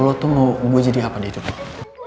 lo tuh mau gue jadi apa di hidup lo